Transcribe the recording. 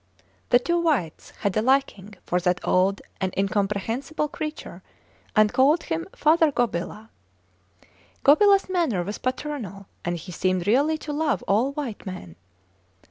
The two whites had a liking for that old and incomprehensible creature, and called him Father Gobila. Gobilas manner was paternal, and he seemed really to love all white men.